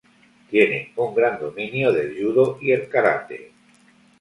Tiene un gran dominio del judo y el karate.